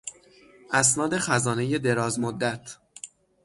اسناد خزانهی دراز مدت